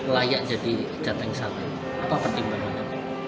layak jadi jateng saling apa pertimbangan anda